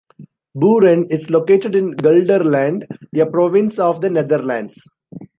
Buren is located in Gelderland, a province of the Netherlands.